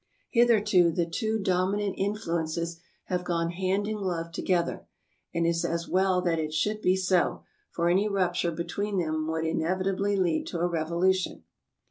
Hitherto the two dominant influences have gone hand in glove together; and it is as well that it should be so, for any rupture between them would inevitably lead to a revolution.